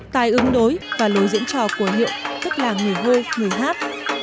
tài ứng đối và lối diễn trò của hiệu tức là người hô người hát